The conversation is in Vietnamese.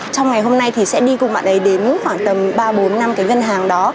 trong ngày hôm nay thì sẽ đi cùng bạn ấy đến khoảng tầm ba bốn năm cái ngân hàng đó